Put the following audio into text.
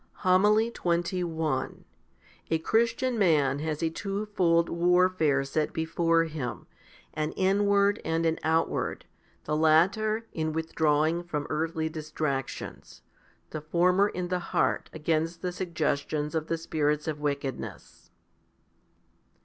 1 Luke xi. 13. a Matt. vii. 7. HOMILY XXI A Christian man has a twofold warfare set before him, an inward and an outward, the latter, in withdrawing from earthly distractions ; the former, in the heart, against the suggestions of the spirits of wickedness.